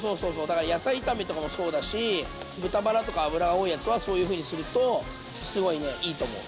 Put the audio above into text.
だから野菜炒めとかもそうだし豚バラとか脂が多いやつはそういうふうにするとすごいねいいと思う。